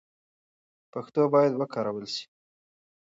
پښتو باید وکارول سي.